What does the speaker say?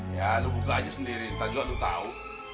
ya lu buka aja sendiri tak jual lu tahu